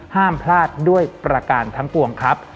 ห้ามพลาดด้วยประการทั้งปวงครับ